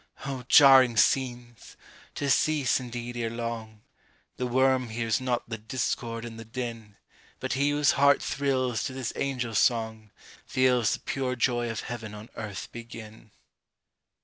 Oh, jarring scenes! to cease, indeed, ere long; The worm hears not the discord and the din; But he whose heart thrills to this angel song, Feels the pure joy of heaven on earth begin!